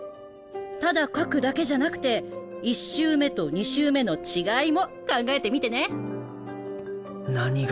ただ描くだけじゃなくて１周目と２周目の違いも考えてみてね。